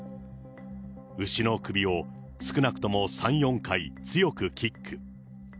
牛の首を少なくとも３、４回、強くキック。